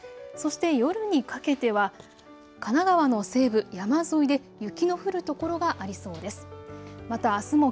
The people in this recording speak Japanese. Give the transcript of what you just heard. そして夜にかけては神奈川の西部山沿いで雪の降る所がありそうです。